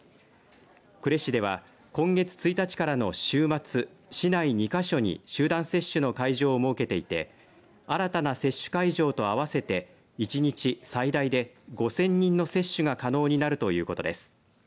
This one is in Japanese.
呉市では今月１日からの週末市内２か所に集団接種の会場を設けていて新たな接種会場と合わせて１日最大で５０００人の接種が可能になるということです。